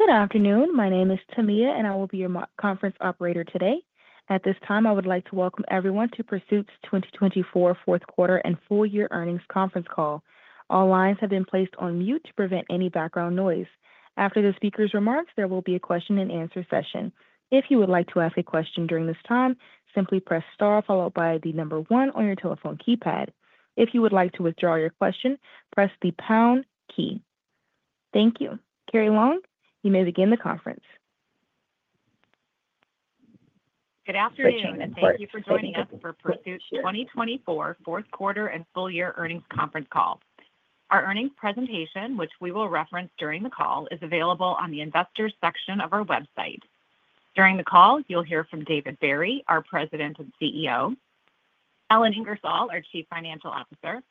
Good afternoon. My name is Tamia, and I will be your conference operator today. At this time, I would like to welcome everyone to Pursuit's 2024 fourth quarter and full year earnings conference call. All lines have been placed on mute to prevent any background noise. After the speaker's remarks, there will be a question-and-answer session. If you would like to ask a question during this time, simply press star followed by the number one on your telephone keypad. If you would like to withdraw your question, press the pound key. Thank you. Carrie Long, you may begin the conference. Good afternoon. Thank you for joining us for Pursuit's 2024 fourth quarter and full year earnings conference call. Our earnings presentation, which we will reference during the call, is available on the investors' section of our website. During the call, you'll hear from David Barry, our President and CEO; Ellen Ingersoll, our Chief Financial Officer;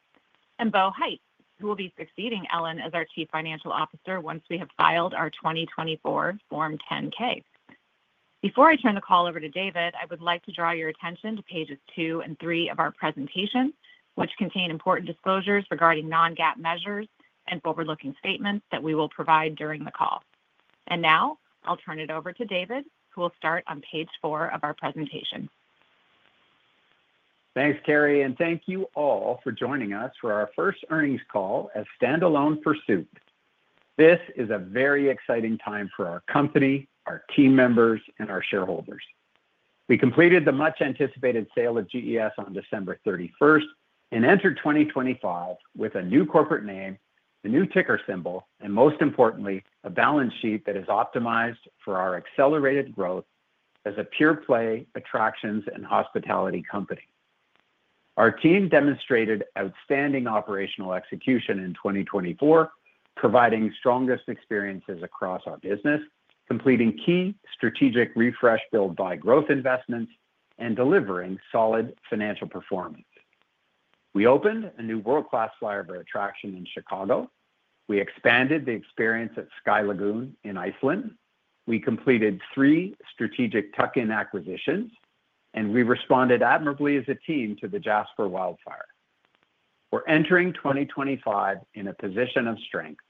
and Bo Heitz, who will be succeeding Ellen as our Chief Financial Officer once we have filed our 2024 Form 10-K. Before I turn the call over to David, I would like to draw your attention to pages two and three of our presentation, which contain important disclosures regarding non-GAAP measures and forward-looking statements that we will provide during the call. I will now turn it over to David, who will start on Page 4 of our presentation. Thanks, Carrie, and thank you all for joining us for our first earnings call as standalone Pursuit. This is a very exciting time for our company, our team members, and our shareholders. We completed the much-anticipated sale of GES on December 31st and entered 2025 with a new corporate name, a new ticker symbol, and most importantly, a balance sheet that is optimized for our accelerated growth as a pure-play attractions and hospitality company. Our team demonstrated outstanding operational execution in 2024, providing strongest experiences across our business, completing key Strategic Refresh, Build, Buy growth investments, and delivering solid financial performance. We opened a new world-class Flyover attraction in Chicago. We expanded the experience at Sky Lagoon in Iceland. We completed three strategic tuck-in acquisitions, and we responded admirably as a team to the Jasper wildfire. We're entering 2025 in a position of strength.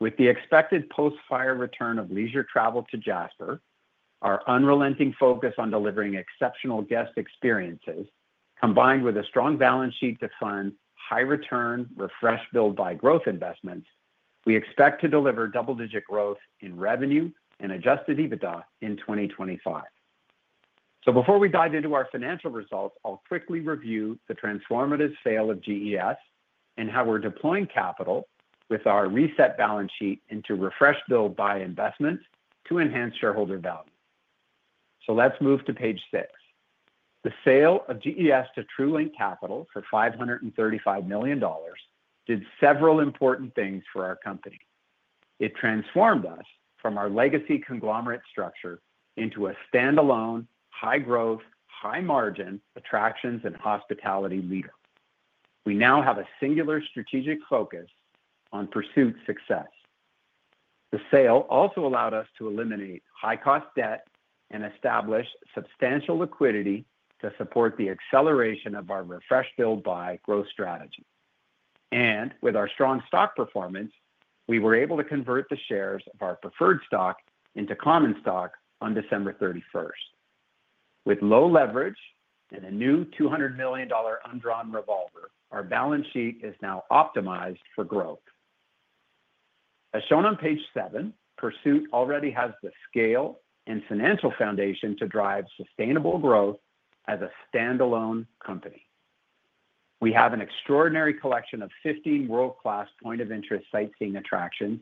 With the expected post-fire return of leisure travel to Jasper, our unrelenting focus on delivering exceptional guest experiences, combined with a strong balance sheet to fund high-return Refresh, Build, Buy growth investments, we expect to deliver double-digit growth in revenue and adjusted EBITDA in 2025. Before we dive into our financial results, I'll quickly review the transformative sale of GES and how we're deploying capital with our reset balance sheet into Refresh Build, Buy investments to enhance shareholder value. Let's move to Page 6. The sale of GES to TrueLink Capital for $535 million did several important things for our company. It transformed us from our legacy conglomerate structure into a standalone, high-growth, high-margin attractions and hospitality leader. We now have a singular strategic focus on Pursuit success. The sale also allowed us to eliminate high-cost debt and establish substantial liquidity to support the acceleration of our Refresh, Build, Buy growth strategy. With our strong stock performance, we were able to convert the shares of our preferred stock into common stock on December 31st. With low leverage and a new $200 million undrawn revolver, our balance sheet is now optimized for growth. As shown on page seven, Pursuit already has the scale and financial foundation to drive sustainable growth as a standalone company. We have an extraordinary collection of 15 world-class point-of-interest sightseeing attractions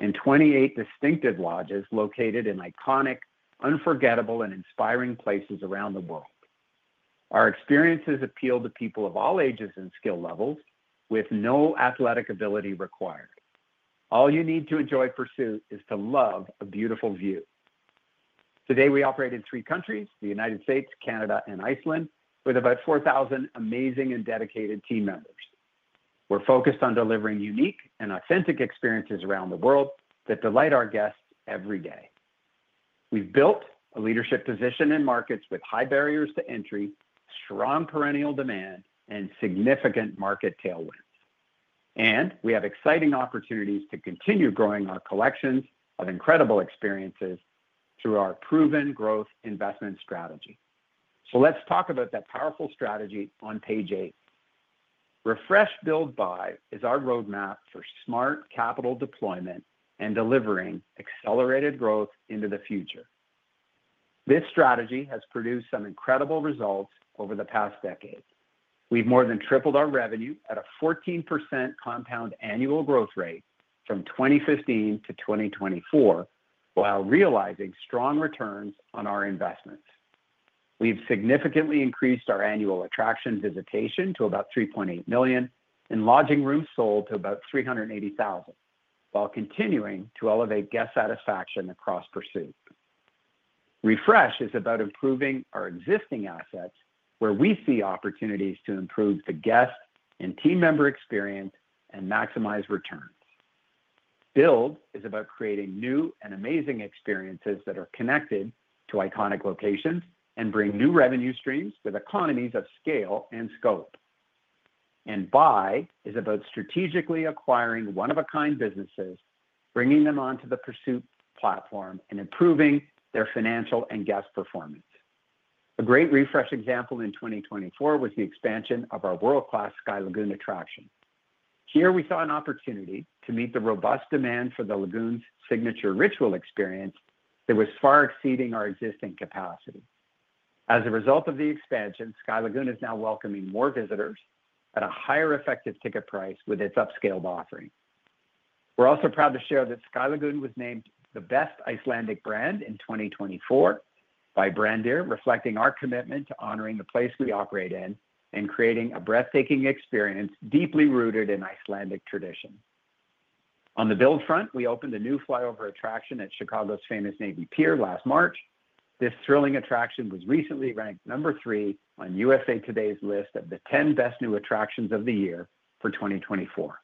and 28 distinctive lodges located in iconic, unforgettable, and inspiring places around the world. Our experiences appeal to people of all ages and skill levels with no athletic ability required. All you need to enjoy Pursuit is to love a beautiful view. Today, we operate in three countries: the United States, Canada, and Iceland, with about 4,000 amazing and dedicated team members. We're focused on delivering unique and authentic experiences around the world that delight our guests every day. We've built a leadership position in markets with high barriers to entry, strong perennial demand, and significant market tailwinds. We have exciting opportunities to continue growing our collections of incredible experiences through our proven growth investment strategy. Let's talk about that powerful strategy on Page 8. Refresh, Build, Buy is our roadmap for smart capital deployment and delivering accelerated growth into the future. This strategy has produced some incredible results over the past decade. We've more than tripled our revenue at a 14% compound annual growth rate from 2015-2024, while realizing strong returns on our investments. We've significantly increased our annual attraction visitation to about 3.8 million and lodging rooms sold to about 380,000, while continuing to elevate guest satisfaction across Pursuit. Refresh is about improving our existing assets where we see opportunities to improve the guest and team member experience and maximize returns. Build is about creating new and amazing experiences that are connected to iconic locations and bring new revenue streams with economies of scale and scope. Buy is about strategically acquiring one-of-a-kind businesses, bringing them onto the Pursuit platform, and improving their financial and guest performance. A great refresh example in 2024 was the expansion of our world-class Sky Lagoon attraction. Here, we saw an opportunity to meet the robust demand for the lagoon's signature ritual experience that was far exceeding our existing capacity. As a result of the expansion, Sky Lagoon is now welcoming more visitors at a higher effective ticket price with its upscaled offering. We're also proud to share that Sky Lagoon was named the best Icelandic brand in 2024 by Brandr, reflecting our commitment to honoring the place we operate in and creating a breathtaking experience deeply rooted in Icelandic tradition. On the build front, we opened a new Flyover attraction at Chicago's famous Navy Pier last March. This thrilling attraction was recently ranked number three on USA Today's list of the 10 best new attractions of the year for 2024.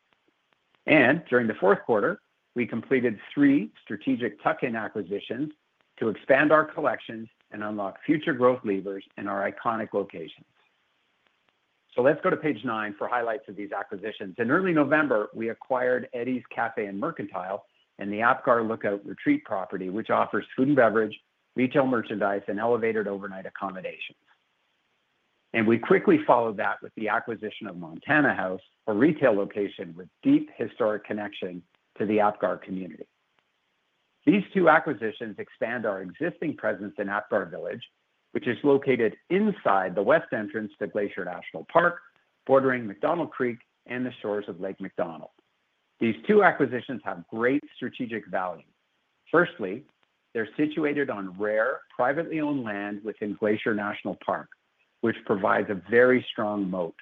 During the fourth quarter, we completed three strategic tuck-in acquisitions to expand our collections and unlock future growth levers in our iconic locations. Let's go to page nine for highlights of these acquisitions. In early November, we acquired Eddie's Cafe and Mercantile and the Apgar Lookout Retreat property, which offers food and beverage, retail merchandise, and elevated overnight accommodations. We quickly followed that with the acquisition of Montana House, a retail location with deep historic connection to the Apgar community. These two acquisitions expand our existing presence in Apgar Village, which is located inside the west entrance to Glacier National Park, bordering McDonald Creek and the shores of Lake McDonald. These two acquisitions have great strategic value. Firstly, they're situated on rare, privately owned land within Glacier National Park, which provides a very strong moat.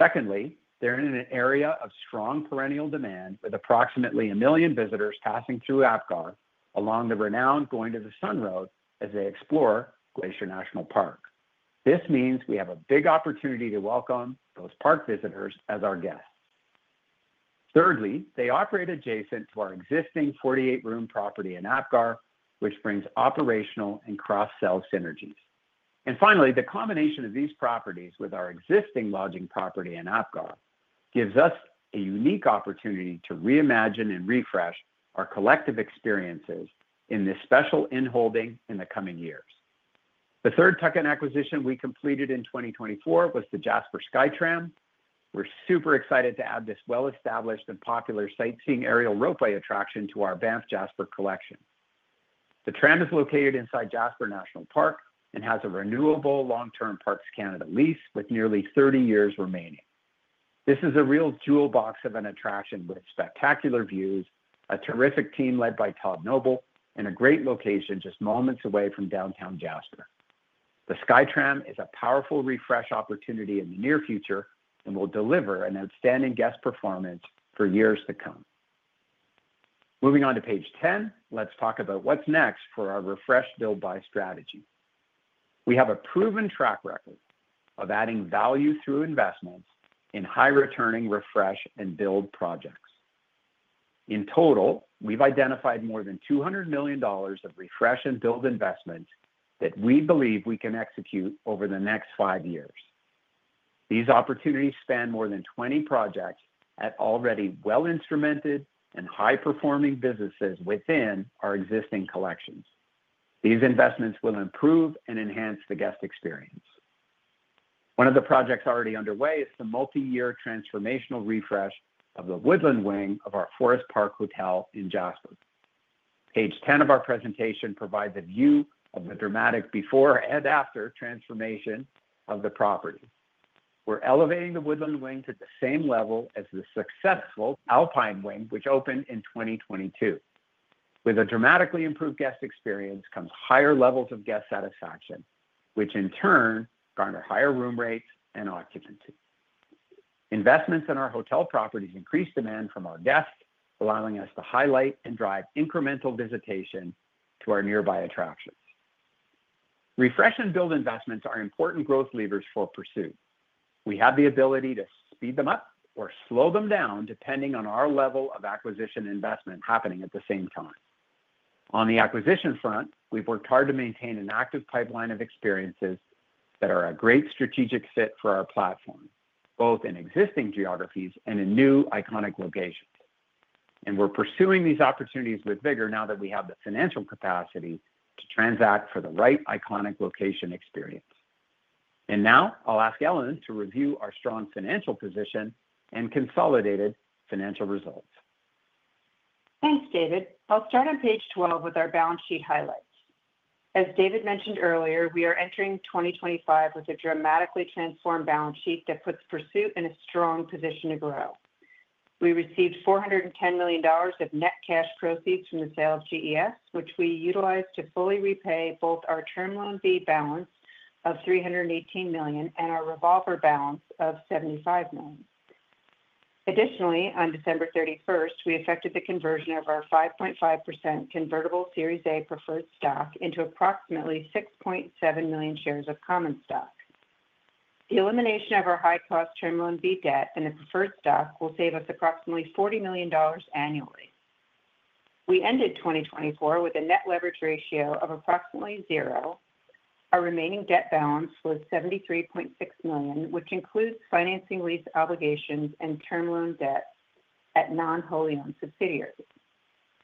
Secondly, they're in an area of strong perennial demand with approximately 1 million visitors passing through Apgar along the renowned Going-to-the-Sun Road as they explore Glacier National Park. This means we have a big opportunity to welcome those park visitors as our guests. Thirdly, they operate adjacent to our existing 48-room property in Apgar, which brings operational and cross-sell synergies. Finally, the combination of these properties with our existing lodging property in Apgar gives us a unique opportunity to reimagine and refresh our collective experiences in this special in-holding in the coming years. The third tuck-in acquisition we completed in 2024 was the Jasper SkyTram. We're super excited to add this well-established and popular sightseeing aerial ropeway attraction to our Banff Jasper Collection. The tram is located inside Jasper National Park and has a renewable long-term Parks Canada lease with nearly 30 years remaining. This is a real jewel box of an attraction with spectacular views, a terrific team led by Todd Noble, and a great location just moments away from downtown Jasper. The SkyTram is a powerful refresh opportunity in the near future and will deliver an outstanding guest performance for years to come. Moving on to Page 10, let's talk about what's next for our refresh, build, buy strategy. We have a proven track record of adding value through investments in high-returning refresh and build projects. In total, we've identified more than $200 million of refresh and build investments that we believe we can execute over the next five years. These opportunities span more than 20 projects at already well-instrumented and high-performing businesses within our existing collections. These investments will improve and enhance the guest experience. One of the projects already underway is the multi-year transformational refresh of the Woodland Wing of our Forest Park Hotel in Jasper. Page 10 of our presentation provides a view of the dramatic before and after transformation of the property. We're elevating the Woodland Wing to the same level as the successful Alpine Wing, which opened in 2022. With a dramatically improved guest experience comes higher levels of guest satisfaction, which in turn garner higher room rates and occupancy. Investments in our hotel properties increase demand from our guests, allowing us to highlight and drive incremental visitation to our nearby attractions. Refresh and build investments are important growth levers for Pursuit. We have the ability to speed them up or slow them down depending on our level of acquisition investment happening at the same time. On the acquisition front, we've worked hard to maintain an active pipeline of experiences that are a great strategic fit for our platform, both in existing geographies and in new iconic locations. We are pursuing these opportunities with vigor now that we have the financial capacity to transact for the right iconic location experience.I will ask Ellen to review our strong financial position and consolidated financial results. Thanks, David. I'll start on Page 12 with our balance sheet highlights. As David mentioned earlier, we are entering 2025 with a dramatically transformed balance sheet that puts Pursuit in a strong position to grow. We received $410 million of net cash proceeds from the sale of GES, which we utilized to fully repay both our Term Loan B balance of $318 million and our revolver balance of $75 million. Additionally, on December 31st, we effected the conversion of our 5.5% convertible Series A preferred stock into approximately 6.7 million shares of common stock. The elimination of our high-cost Term Loan B debt and the preferred stock will save us approximately $40 million annually. We ended 2024 with a net leverage ratio of approximately zero. Our remaining debt balance was $73.6 million, which includes financing lease obligations and term loan debt at non-wholly owned subsidiaries.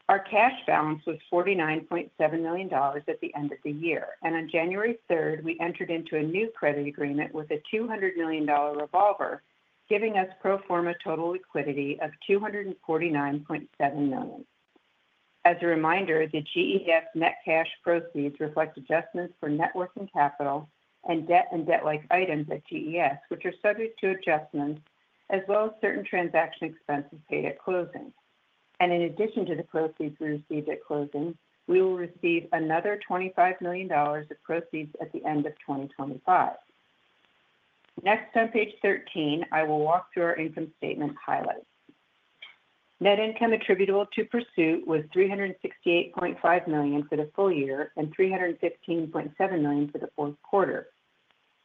Our cash balance was $49.7 million at the end of the year. On January 3rd, we entered into a new credit agreement with a $200 million revolver, giving us pro forma total liquidity of $249.7 million. As a reminder, the GES net cash proceeds reflect adjustments for networking capital and debt and debt-like items at GES, which are subject to adjustments, as well as certain transaction expenses paid at closing. In addition to the proceeds we received at closing, we will receive another $25 million of proceeds at the end of 2025. Next, on Page 13, I will walk through our income statement highlights. Net income attributable to Pursuit was $368.5 million for the full year and $315.7 million for the fourth quarter.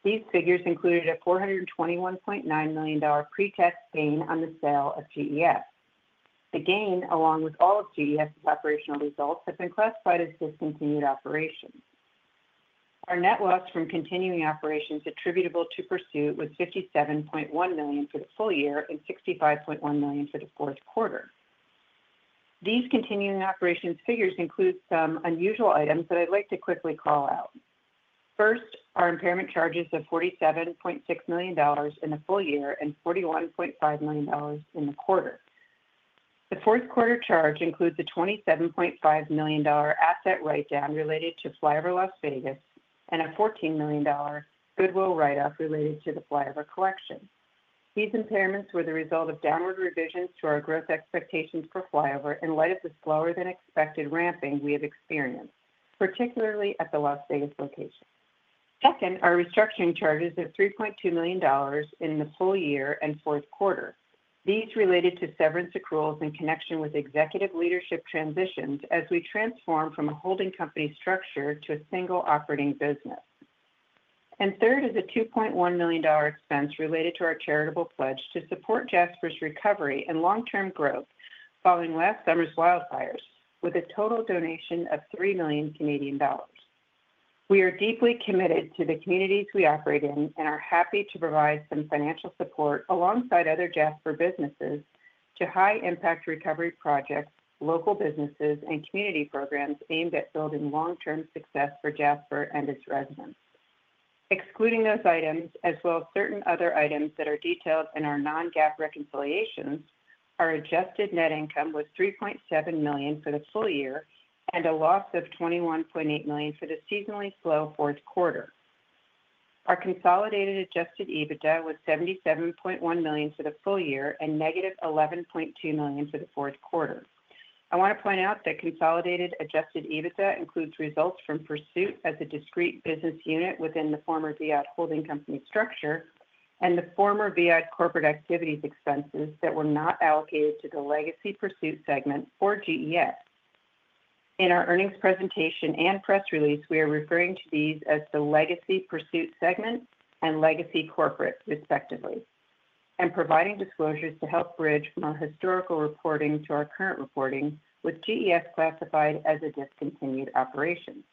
These figures included a $421.9 million pre-tax gain on the sale of GES. The gain, along with all of GES's operational results, has been classified as discontinued operations. Our net loss from continuing operations attributable to Pursuit was $57.1 million for the full year and $65.1 million for the fourth quarter. These continuing operations figures include some unusual items that I'd like to quickly call out. First, our impairment charges of $47.6 million in the full year and $41.5 million in the quarter. The fourth quarter charge includes a $27.5 million asset write-down related to Flyover Las Vegas, and a $14 million goodwill write-off related to the Flyover Collection. These impairments were the result of downward revisions to our growth expectations for Flyover in light of the slower-than-expected ramping we have experienced, particularly at the Las Vegas location. Second, our restructuring charges of $3.2 million in the full year and fourth quarter. These related to severance accruals in connection with executive leadership transitions as we transform from a holding company structure to a single operating business. Third is a $2.1 million expense related to our charitable pledge to support Jasper's recovery and long-term growth following last summer's wildfires, with a total donation of 3 million Canadian dollars. We are deeply committed to the communities we operate in and are happy to provide some financial support alongside other Jasper businesses to high-impact recovery projects, local businesses, and community programs aimed at building long-term success for Jasper and its residents. Excluding those items, as well as certain other items that are detailed in our non-GAAP reconciliations, our adjusted net income was $3.7 million for the full year and a loss of $21.8 million for the seasonally slow fourth quarter. Our consolidated adjusted EBITDA was $77.1 million for the full year and negative $11.2 million for the fourth quarter. I want to point out that consolidated adjusted EBITDA includes results from Pursuit as a discrete business unit within the former Viad holding company structure and the former Viad corporate activities expenses that were not allocated to the legacy Pursuit segment for GES. In our earnings presentation and press release, we are referring to these as the legacy Pursuit segment and legacy corporate, respectively, and providing disclosures to help bridge from our historical reporting to our current reporting with GES classified as a discontinued operation.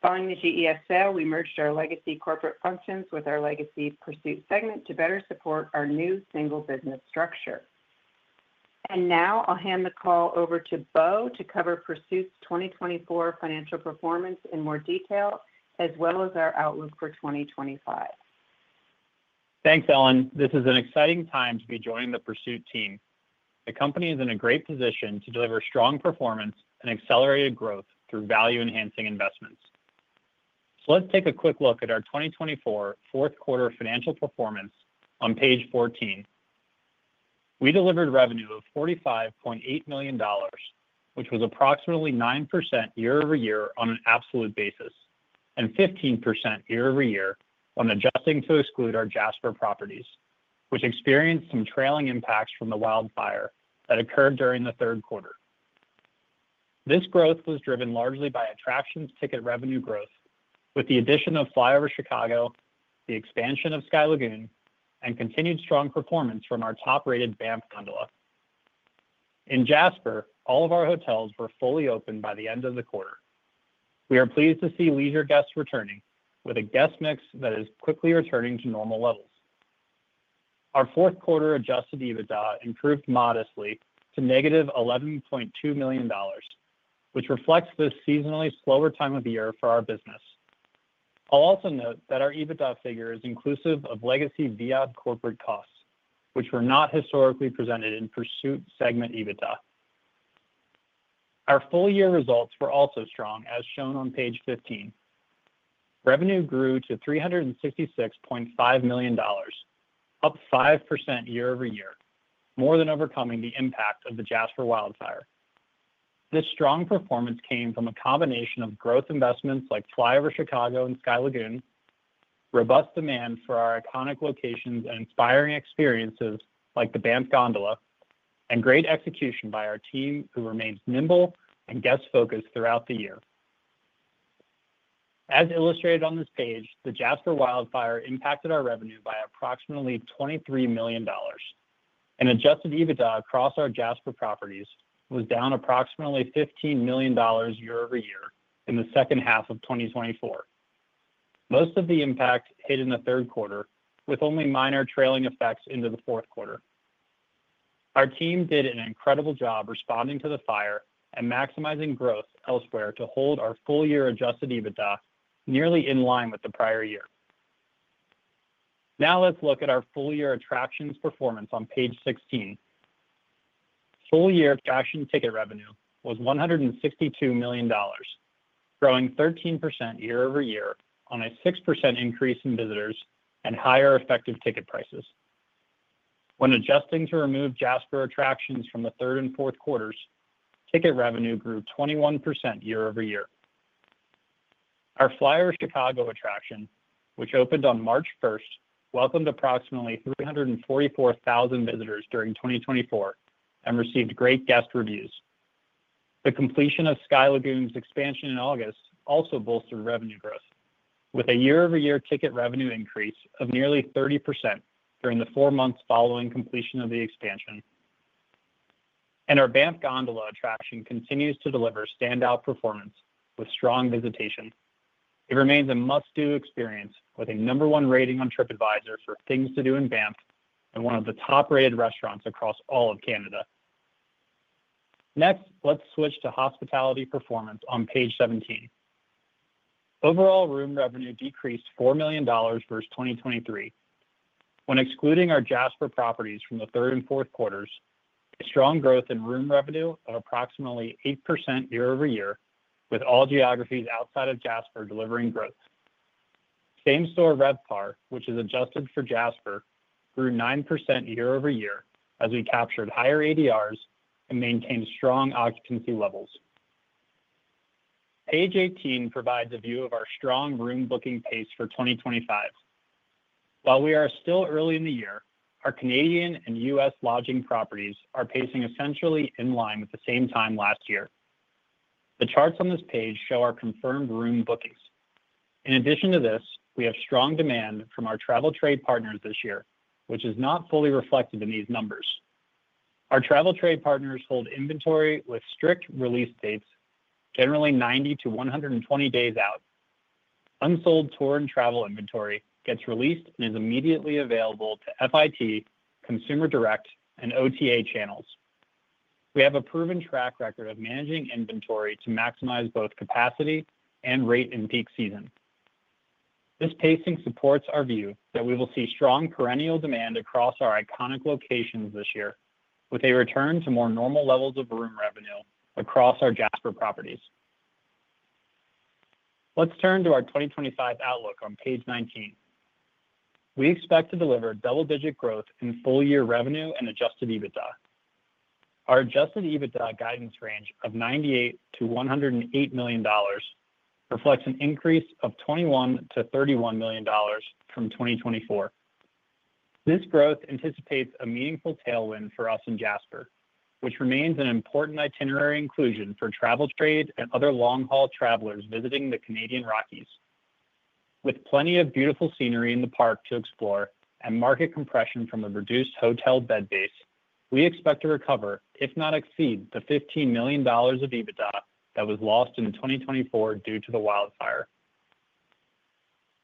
Following the GES sale, we merged our legacy corporate functions with our legacy Pursuit segment to better support our new single business structure. I will hand the call over to Bo to cover Pursuit's 2024 financial performance in more detail, as well as our outlook for 2025. Thanks, Ellen. This is an exciting time to be joining the Pursuit team. The company is in a great position to deliver strong performance and accelerated growth through value-enhancing investments. Let's take a quick look at our 2024 fourth quarter financial performance on Page 14. We delivered revenue of $45.8 million, which was approximately 9% year-over-year on an absolute basis and 15% year-over -year when adjusting to exclude our Jasper properties, which experienced some trailing impacts from the wildfire that occurred during the third quarter. This growth was driven largely by attractions ticket revenue growth with the addition of Flyover Chicago, the expansion of Sky Lagoon, and continued strong performance from our top-rated Banff Gondola. In Jasper, all of our hotels were fully open by the end of the quarter. We are pleased to see leisure guests returning with a guest mix that is quickly returning to normal levels. Our fourth quarter adjusted EBITDA improved modestly to $-11.2 million, which reflects the seasonally slower time of year for our business. I'll also note that our EBITDA figure is inclusive of legacy Viad corporate costs, which were not historically presented in Pursuit segment EBITDA. Our full-year results were also strong, as shown on Page 15. Revenue grew to $366.5 million, up 5% year-over-year, more than overcoming the impact of the Jasper wildfire. This strong performance came from a combination of growth investments like Flyover Chicago and Sky Lagoon, robust demand for our iconic locations and inspiring experiences like the Banff Gondola, and great execution by our team who remains nimble and guest-focused throughout the year. As illustrated on this page, the Jasper wildfire impacted our revenue by approximately $23 million. Adjusted EBITDA across our Jasper properties was down approximately $15 million year-over-year in the second half of 2024. Most of the impact hit in the third quarter, with only minor trailing effects into the fourth quarter. Our team did an incredible job responding to the fire and maximizing growth elsewhere to hold our full-year adjusted EBITDA nearly in line with the prior year. Now let's look at our full-year attractions performance on Page 16. Full-year attraction ticket revenue was $162 million, growing 13% year-over-year on a 6% increase in visitors and higher effective ticket prices. When adjusting to remove Jasper attractions from the third and fourth quarters, ticket revenue grew 21% year-over-year. Our Flyover Chicago attraction, which opened on March 1st, welcomed approximately 344,000 visitors during 2024 and received great guest reviews. The completion of Sky Lagoon's expansion in August also bolstered revenue growth, with a year-over-year ticket revenue increase of nearly 30% during the four months following completion of the expansion. Our Banff Gondola attraction continues to deliver standout performance with strong visitation. It remains a must-do experience with a number one rating on TripAdvisor for things to do in Banff and one of the top-rated restaurants across all of Canada. Next, let's switch to hospitality performance on Page 17. Overall room revenue decreased $4 million versus 2023. When excluding our Jasper properties from the third and fourth quarters, a strong growth in room revenue of approximately 8% year-over-year, with all geographies outside of Jasper delivering growth. Same-store RevPAR, which is adjusted for Jasper, grew 9% year-over-year as we captured higher ADRs and maintained strong occupancy levels. Page 18 provides a view of our strong room booking pace for 2025. While we are still early in the year, our Canadian and U.S. lodging properties are pacing essentially in line with the same time last year. The charts on this page show our confirmed room bookings. In addition to this, we have strong demand from our travel trade partners this year, which is not fully reflected in these numbers. Our travel trade partners hold inventory with strict release dates, generally 90 days-120 days out. Unsold tour and travel inventory gets released and is immediately available to FIT, Consumer Direct, and OTA channels. We have a proven track record of managing inventory to maximize both capacity and rate in peak season. This pacing supports our view that we will see strong perennial demand across our iconic locations this year, with a return to more normal levels of room revenue across our Jasper properties. Let's turn to our 2025 outlook on Page 19. We expect to deliver double-digit growth in full-year revenue and adjusted EBITDA. Our adjusted EBITDA guidance range of $98-$108 million reflects an increase of $21-$31 million from 2024. This growth anticipates a meaningful tailwind for us in Jasper, which remains an important itinerary inclusion for travel trade and other long-haul travelers visiting the Canadian Rockies. With plenty of beautiful scenery in the park to explore and market compression from the reduced hotel bed base, we expect to recover, if not exceed, the $15 million of EBITDA that was lost in 2024 due to the wildfire.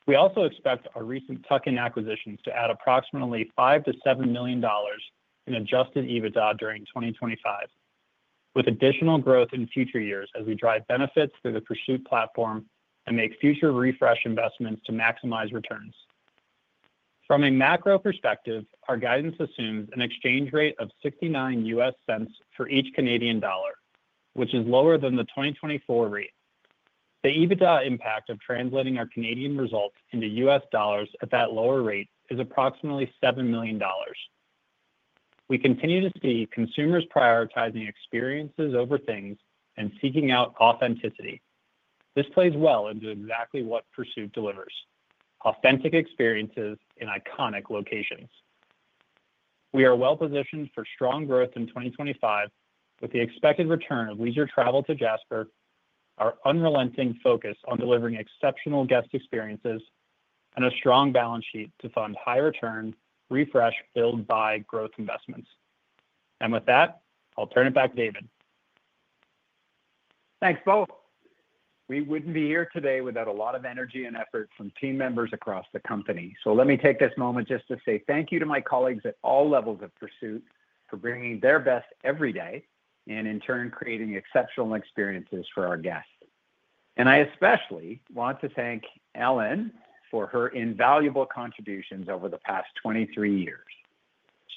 We also expect our recent tuck-in acquisitions to add approximately $5-$7 million in adjusted EBITDA during 2025, with additional growth in future years as we drive benefits through the Pursuit platform and make future refresh investments to maximize returns. From a macro perspective, our guidance assumes an exchange rate of $0.69 for each Canadian dollar, which is lower than the 2024 rate. The EBITDA impact of translating our Canadian results into U.S. dollars at that lower rate is approximately $7 million. We continue to see consumers prioritizing experiences over things and seeking out authenticity. This plays well into exactly what Pursuit delivers: authentic experiences in iconic locations. We are well positioned for strong growth in 2025, with the expected return of leisure travel to Jasper, our unrelenting focus on delivering exceptional guest experiences, and a strong balance sheet to fund high-return Refresh, Build, Buy growth investments. With that, I'll turn it back to David. Thanks, Bo. We wouldn't be here today without a lot of energy and effort from team members across the company. Let me take this moment just to say thank you to my colleagues at all levels of Pursuit for bringing their best every day and, in turn, creating exceptional experiences for our guests. I especially want to thank Ellen for her invaluable contributions over the past 23 years.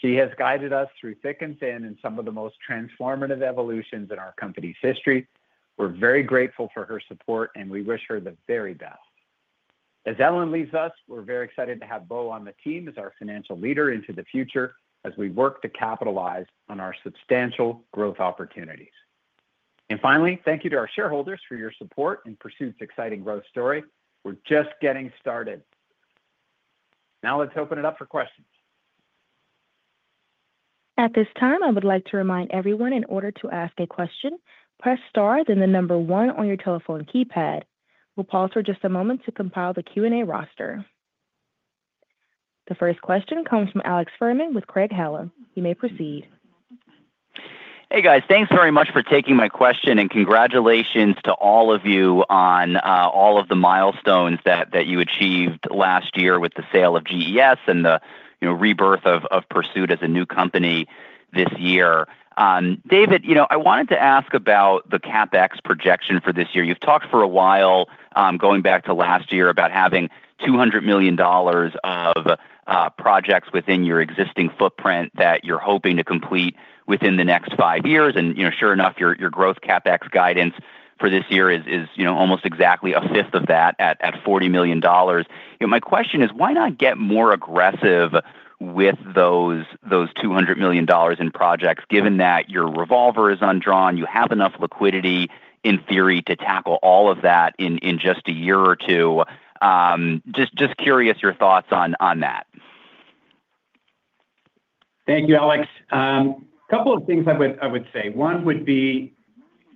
She has guided us through thick and thin in some of the most transformative evolutions in our company's history. We are very grateful for her support, and we wish her the very best. As Ellen leaves us, we are very excited to have Bo on the team as our financial leader into the future as we work to capitalize on our substantial growth opportunities. Finally, thank you to our shareholders for your support in Pursuit's exciting growth story. We're just getting started. Now let's open it up for questions. At this time, I would like to remind everyone in order to ask a question, press Star, then the number one on your telephone keypad. We'll pause for just a moment to compile the Q&A roster. The first question comes from Alex Fuhrman with Craig-Hallum. You may proceed. Hey, guys. Thanks very much for taking my question, and congratulations to all of you on all of the milestones that you achieved last year with the sale of GES and the rebirth of Pursuit as a new company this year. David, I wanted to ask about the CapEx projection for this year. You've talked for a while, going back to last year, about having $200 million of projects within your existing footprint that you're hoping to complete within the next five years. Sure enough, your growth CapEx guidance for this year is almost exactly a fifth of that at $40 million. My question is, why not get more aggressive with those $200 million in projects, given that your revolver is undrawn, you have enough liquidity, in theory, to tackle all of that in just a year or two? Just curious your thoughts on that. Thank you, Alex. A couple of things I would say. One would be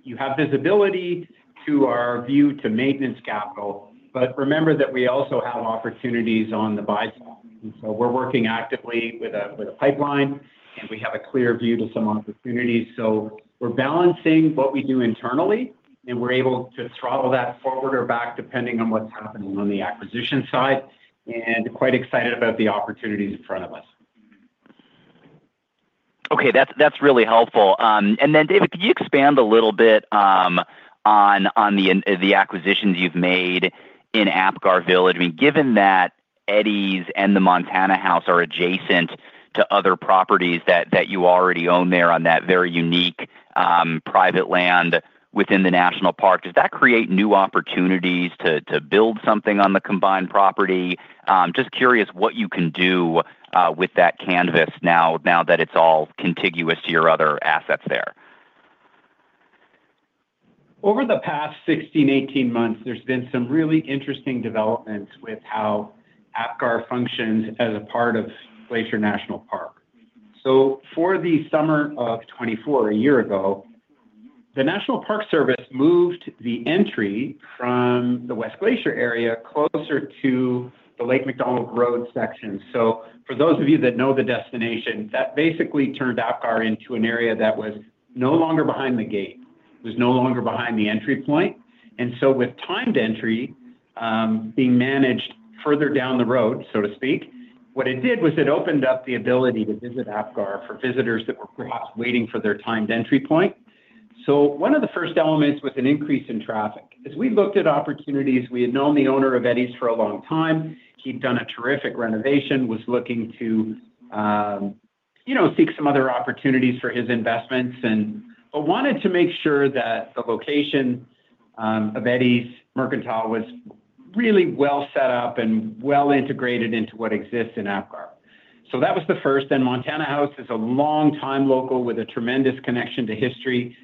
you have visibility to our view to maintenance capital, but remember that we also have opportunities on the buy side. We are working actively with a pipeline, and we have a clear view to some opportunities. We are balancing what we do internally, and we are able to throttle that forward or back, depending on what is happening on the acquisition side, and quite excited about the opportunities in front of us. Okay. That's really helpful. David, can you expand a little bit on the acquisitions you've made in Apgar Village? I mean, given that Eddie's and the Montana House are adjacent to other properties that you already own there on that very unique private land within the National Park, does that create new opportunities to build something on the combined property? Just curious what you can do with that canvas now that it's all contiguous to your other assets there. Over the past 16 months, 18 months, there's been some really interesting developments with how Apgar functions as a part of Glacier National Park. For the summer of 2024, a year ago, the National Park Service moved the entry from the West Glacier area closer to the Lake McDonald Road section. For those of you that know the destination, that basically turned Apgar into an area that was no longer behind the gate. It was no longer behind the entry point. With timed entry being managed further down the road, so to speak, what it did was it opened up the ability to visit Apgar for visitors that were perhaps waiting for their timed entry point. One of the first elements with an increase in traffic, as we looked at opportunities, we had known the owner of Eddie's for a long time. He'd done a terrific renovation, was looking to seek some other opportunities for his investments, but wanted to make sure that the location of Eddie's Cafe and Mercantile was really well set up and well integrated into what exists in Apgar. That was the first. Montana House is a long-time local with a tremendous connection to history,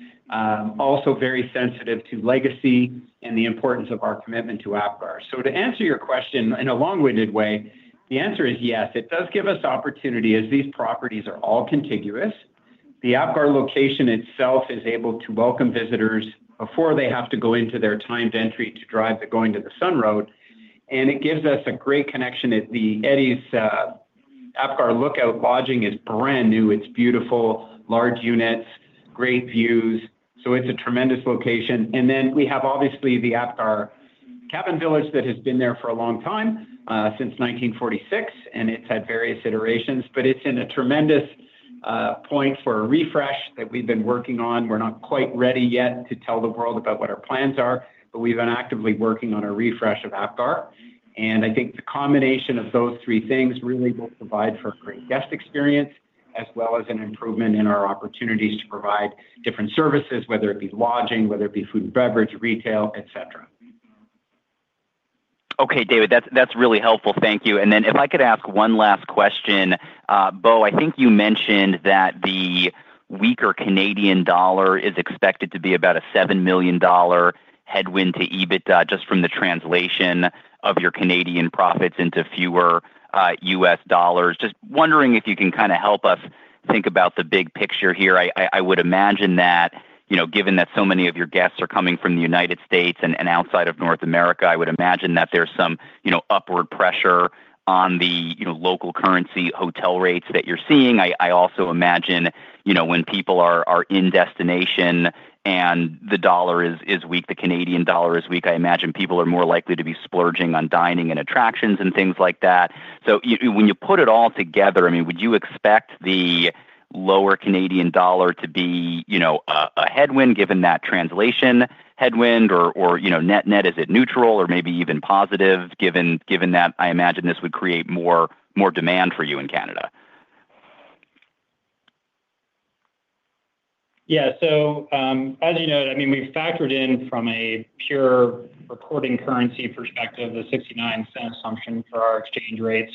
also very sensitive to legacy and the importance of our commitment to Apgar. To answer your question in a long-winded way, the answer is yes. It does give us opportunity as these properties are all contiguous. The Apgar location itself is able to welcome visitors before they have to go into their timed entry to drive the Going-to-the-Sun Road. It gives us a great connection. The Eddie's Apgar Lookout Retreat lodging is brand new. It's beautiful, large units, great views. It's a tremendous location. We have, obviously, the Apgar Cabin Village that has been there for a long time, since 1946, and it's had various iterations. It is in a tremendous point for a refresh that we've been working on. We're not quite ready yet to tell the world about what our plans are, but we've been actively working on a refresh of Apgar. I think the combination of those three things really will provide for a great guest experience, as well as an improvement in our opportunities to provide different services, whether it be lodging, whether it be food and beverage, retail, etc. Okay, David, that's really helpful. Thank you. If I could ask one last question, Bo, I think you mentioned that the weaker Canadian dollar is expected to be about a $7 million headwind to EBITDA just from the translation of your Canadian profits into fewer U.S. dollars. Just wondering if you can kind of help us think about the big picture here. I would imagine that, given that so many of your guests are coming from the United States and outside of North America, I would imagine that there's some upward pressure on the local currency hotel rates that you're seeing. I also imagine when people are in destination and the dollar is weak, the Canadian dollar is weak, I imagine people are more likely to be splurging on dining and attractions and things like that. When you put it all together, I mean, would you expect the lower Canadian dollar to be a headwind given that translation headwind, or net-net is it neutral, or maybe even positive, given that I imagine this would create more demand for you in Canada? Yeah. So as you know, I mean, we've factored in, from a pure reporting currency perspective, the $0.69 assumption for our exchange rate.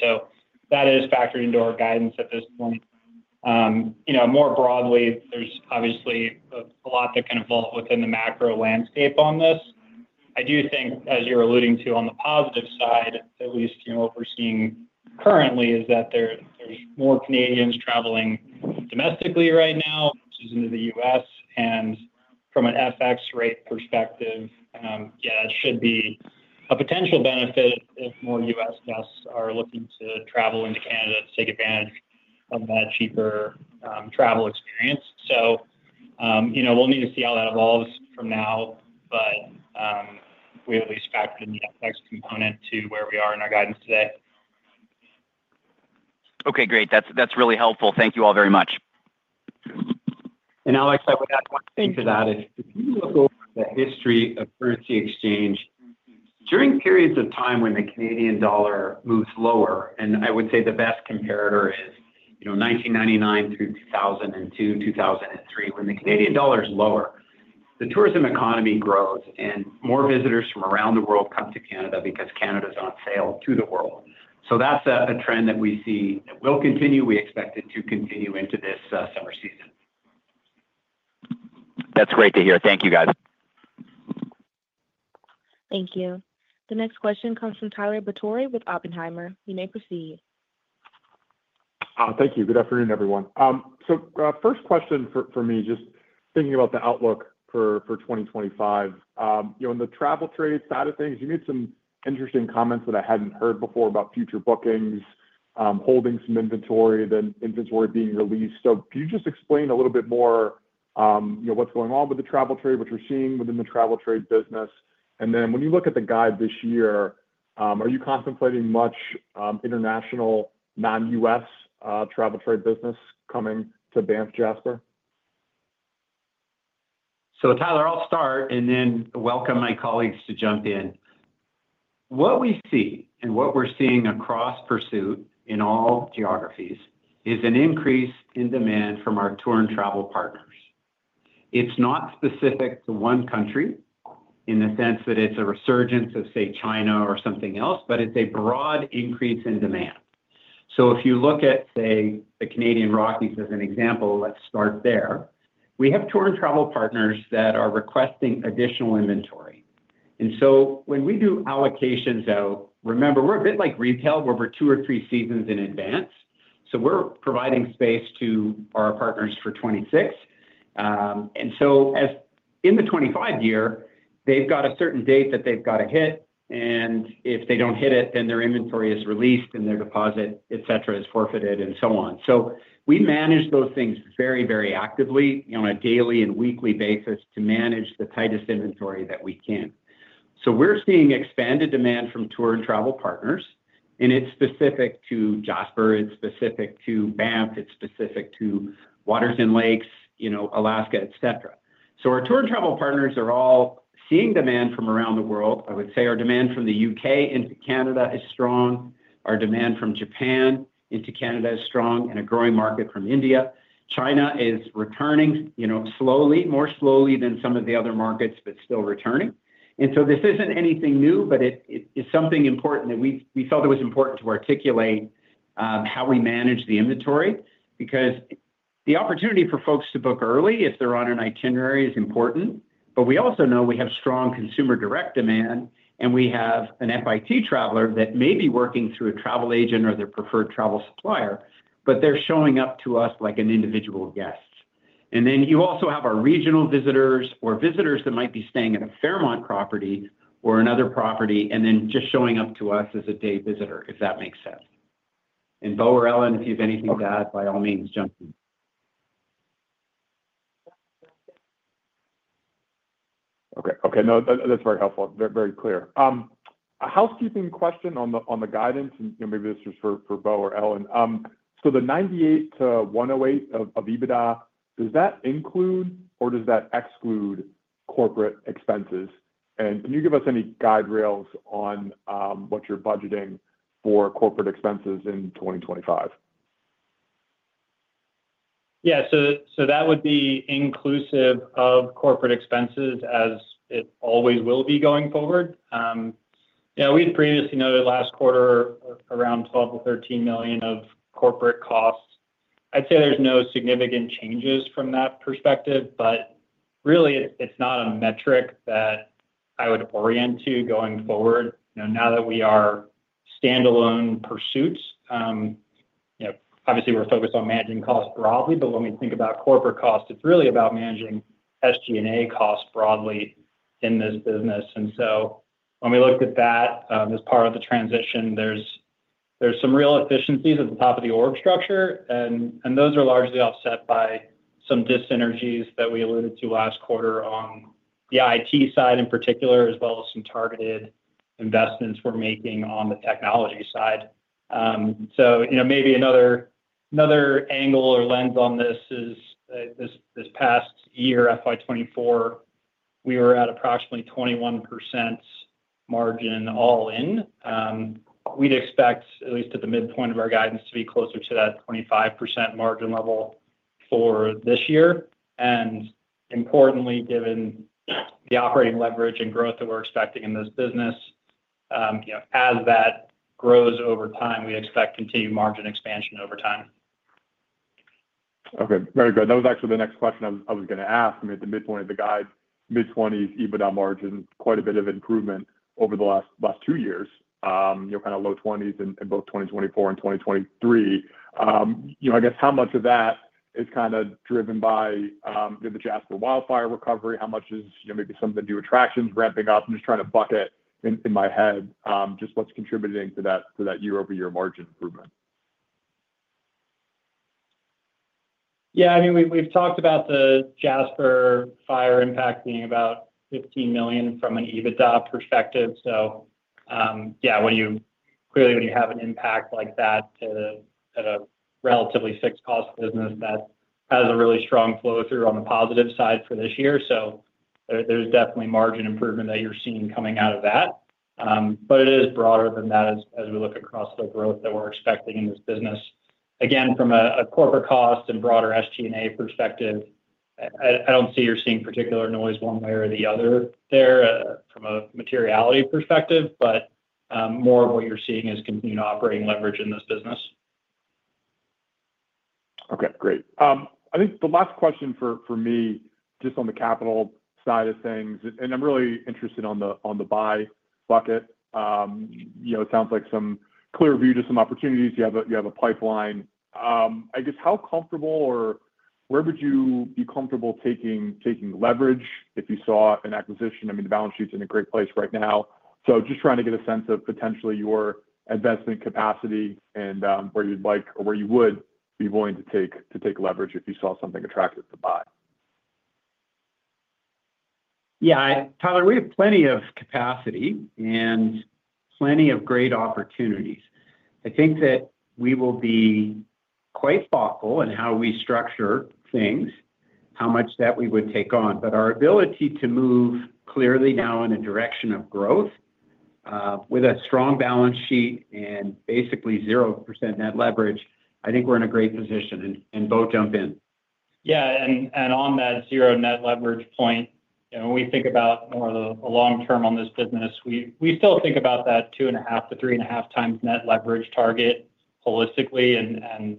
That is factored into our guidance at this point. More broadly, there's obviously a lot that can evolve within the macro landscape on this. I do think, as you're alluding to on the positive side, at least what we're seeing currently is that there's more Canadians traveling domestically right now, which is into the U.S. From an FX rate perspective, yeah, that should be a potential benefit if more U.S. guests are looking to travel into Canada to take advantage of that cheaper travel experience. We'll need to see how that evolves from now, but we at least factored in the FX component to where we are in our guidance today. Okay, great. That's really helpful. Thank you all very much. Alex, I would add one thing to that. If you look over the history of currency exchange, during periods of time when the Canadian dollar moves lower, and I would say the best comparator is 1999 through 2002, 2003, when the Canadian dollar is lower, the tourism economy grows and more visitors from around the world come to Canada because Canada's on sale to the world. That is a trend that we see that will continue. We expect it to continue into this summer season. That's great to hear. Thank you, guys. Thank you. The next question comes from Tyler Batory with Oppenheimer. You may proceed. Thank you. Good afternoon, everyone. First question for me, just thinking about the outlook for 2025. On the travel trade side of things, you made some interesting comments that I had not heard before about future bookings, holding some inventory, then inventory being released. Can you just explain a little bit more what is going on with the travel trade, what you are seeing within the travel trade business? When you look at the guide this year, are you contemplating much international non-U.S. travel trade business coming to Banff, Jasper? Tyler, I'll start and then welcome my colleagues to jump in. What we see and what we're seeing across Pursuit in all geographies is an increase in demand from our tour and travel partners. It's not specific to one country in the sense that it's a resurgence of, say, China or something else, but it's a broad increase in demand. If you look at, say, the Canadian Rockies as an example, let's start there, we have tour and travel partners that are requesting additional inventory. When we do allocations, remember, we're a bit like retail where we're two or three seasons in advance. We're providing space to our partners for 2026. In the 2025 year, they've got a certain date that they've got to hit. If they do not hit it, then their inventory is released and their deposit, etc., is forfeited and so on. We manage those things very, very actively on a daily and weekly basis to manage the tightest inventory that we can. We are seeing expanded demand from tour and travel partners, and it is specific to Jasper. It is specific to Banff. It is specific to Waters and Lakes, Alaska, etc. Our tour and travel partners are all seeing demand from around the world. I would say our demand from the U.K. into Canada is strong. Our demand from Japan into Canada is strong and a growing market from India. China is returning slowly, more slowly than some of the other markets, but still returning. This is not anything new, but it is something important that we felt it was important to articulate how we manage the inventory because the opportunity for folks to book early if they're on an itinerary is important. We also know we have strong consumer direct demand, and we have an FIT traveler that may be working through a travel agent or their preferred travel supplier, but they're showing up to us like an individual guest. You also have our regional visitors or visitors that might be staying at a Fairmont property or another property and then just showing up to us as a day visitor, if that makes sense. Bo or Ellen, if you have anything to add, by all means, jump in. Okay. Okay. No, that's very helpful. Very clear. A housekeeping question on the guidance, and maybe this is for Bo or Ellen. The 98-108 of EBITDA, does that include or does that exclude corporate expenses? Can you give us any guide rails on what you're budgeting for corporate expenses in 2025? Yeah. That would be inclusive of corporate expenses as it always will be going forward. Yeah. We had previously noted last quarter around $12 million-$13 million of corporate costs. I'd say there's no significant changes from that perspective, but really, it's not a metric that I would orient to going forward. Now that we are standalone Pursuit, obviously, we're focused on managing costs broadly, but when we think about corporate costs, it's really about managing SG&A costs broadly in this business. When we looked at that as part of the transition, there's some real efficiencies at the top of the org structure, and those are largely offset by some dyssynergies that we alluded to last quarter on the IT side in particular, as well as some targeted investments we're making on the technology side. Maybe another angle or lens on this is this past year, FY 2024, we were at approximately 21% margin all in. We would expect, at least at the midpoint of our guidance, to be closer to that 25% margin level for this year. Importantly, given the operating leverage and growth that we are expecting in this business, as that grows over time, we expect continued margin expansion over time. Okay. Very good. That was actually the next question I was going to ask. I mean, at the midpoint of the guide, mid-20s, EBITDA margin, quite a bit of improvement over the last two years, kind of low 20s in both 2024 and 2023. I guess how much of that is kind of driven by the Jasper Wildfire recovery? How much is maybe some of the new attractions ramping up? I'm just trying to bucket in my head just what's contributing to that year-over-year margin improvement. Yeah. I mean, we've talked about the Jasper fire impact being about $15 million from an EBITDA perspective. Yeah, clearly, when you have an impact like that at a relatively fixed cost business, that has a really strong flow through on the positive side for this year. There is definitely margin improvement that you're seeing coming out of that. It is broader than that as we look across the growth that we're expecting in this business. Again, from a corporate cost and broader SG&A perspective, I don't see you're seeing particular noise one way or the other there from a materiality perspective, but more of what you're seeing is continued operating leverage in this business. Okay. Great. I think the last question for me, just on the capital side of things, and I'm really interested on the buy bucket. It sounds like some clear view to some opportunities. You have a pipeline. I guess how comfortable or where would you be comfortable taking leverage if you saw an acquisition? I mean, the balance sheet's in a great place right now. Just trying to get a sense of potentially your investment capacity and where you'd like or where you would be willing to take leverage if you saw something attractive to buy. Yeah. Tyler, we have plenty of capacity and plenty of great opportunities. I think that we will be quite thoughtful in how we structure things, how much that we would take on. Our ability to move clearly now in a direction of growth with a strong balance sheet and basically 0% net leverage, I think we're in a great position. Bo, jump in. Yeah. On that 0 net leverage point, when we think about more of the long term on this business, we still think about that 2.5x-3.5x net leverage target holistically and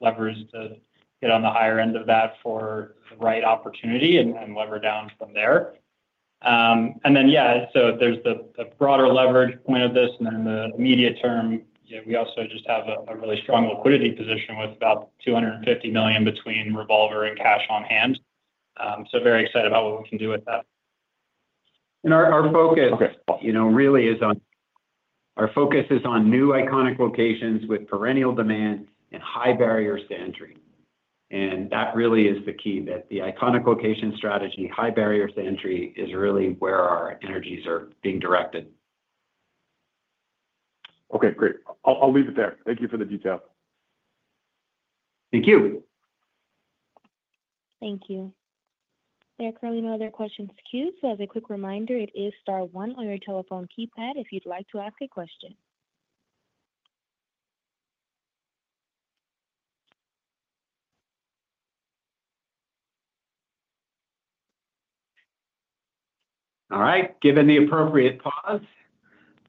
leverage to get on the higher end of that for the right opportunity and lever down from there. There is the broader leverage point of this. In the immediate term, we also just have a really strong liquidity position with about $250 million between Revolver and cash on hand. Very excited about what we can do with that. Our focus really is on new iconic locations with perennial demand and high barriers to entry. That really is the key, that the iconic location strategy, high barriers to entry, is really where our energies are being directed. Okay. Great. I'll leave it there. Thank you for the detail. Thank you. Thank you. There are currently no other questions queued. As a quick reminder, it is star one on your telephone keypad if you'd like to ask a question. All right. Given the appropriate pause,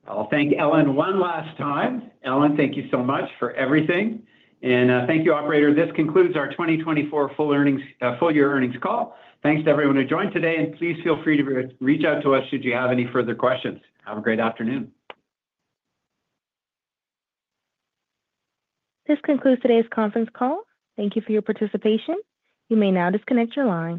I'll thank Ellen one last time. Ellen, thank you so much for everything. Thank you, operator. This concludes our 2024 full year earnings call. Thanks to everyone who joined today. Please feel free to reach out to us should you have any further questions. Have a great afternoon. This concludes today's conference call. Thank you for your participation. You may now disconnect your line.